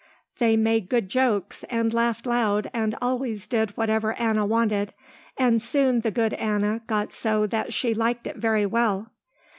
They made good jokes and laughed loud and always did whatever Anna wanted, and soon the good Anna got so that she liked it very well.